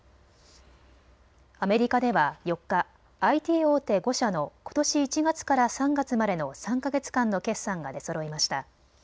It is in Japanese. アメリカでは４日、ＩＴ大手５社のことし１月から３月までの３か月間の決算が出そろいました。